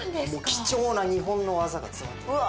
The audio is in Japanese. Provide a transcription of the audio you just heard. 貴重な日本の技が詰まってる。